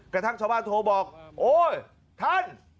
กระทั่งชาวบ้านโทรบอกโอ๊ยท่าน